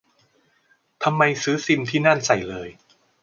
ทำไมซื้อซิมที่นั่นใส่เลย